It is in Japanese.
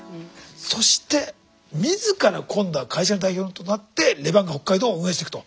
そして自ら今度は会社の代表となってレバンガ北海道を運営していくと。